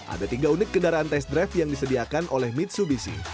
ada tiga unit kendaraan tes drive yang disediakan oleh mitsubishi